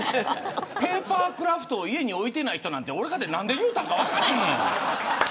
ペーパークラフトを家に置いてない人なんて俺だって何で言ったのか分からへん。